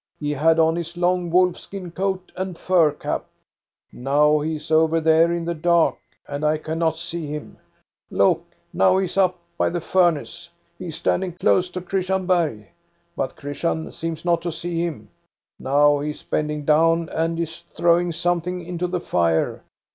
He had on his long wolfskin coat and fur cap. Now he is over there in the dark, and I cannot see him. Look, now he is up by the furnace. He is standing close to Christian Bergh ; but Christian seems not to see him. Now he is bending down and is throwing something into the fire.